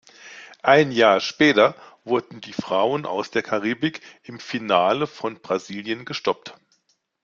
Ein Jahr später wurden die Frauen aus der Karibik im Finale von Brasilien gestoppt.